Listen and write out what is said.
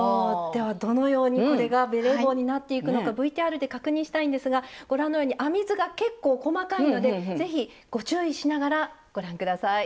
ではどのようにこれがベレー帽になっていくのかＶＴＲで確認したいんですがご覧のように編み図が結構細かいので是非ご注意しながらご覧下さい。